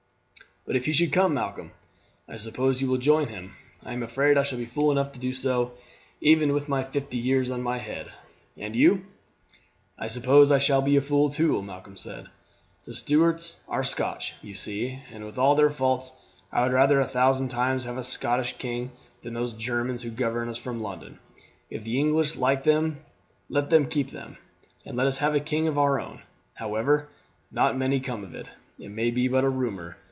"But if he should come, Malcolm, I suppose you will join him? I am afraid I shall be fool enough to do so, even with my fifty years on my head. And you?" "I suppose I shall be a fool too," Malcolm said. "The Stuarts are Scotch, you see, and with all their faults I would rather a thousand times have a Scottish king than these Germans who govern us from London. If the English like them let them keep them, and let us have a king of our own. However, nought may come of it; it may be but a rumour.